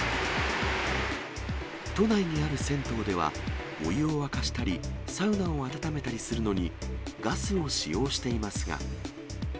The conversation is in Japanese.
都内にある銭湯では、お湯を沸かしたり、サウナを温めたりするのにガスを使用していますが。